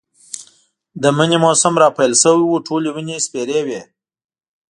د مني موسم را پيل شوی و، ټولې ونې سپېرې وې.